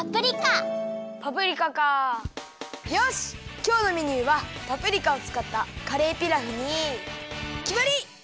きょうのメニューはパプリカをつかったカレーピラフにきまり！